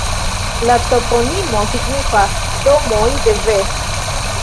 La toponimo signifas Domoj de Ves.